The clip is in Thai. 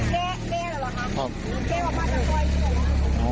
แก๊กแก๊กเหรอคะแก๊กออกมาจากซอยที่ไหนล่ะ